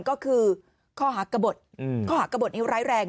ก็คือข้อหากบทข้อหากบทแร้วแรง